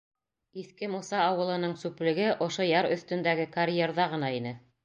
Иҫке Муса ауылының сүплеге ошо яр өҫтөндәге карьерҙа ғына ине.